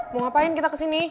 mau ngapain kita kesini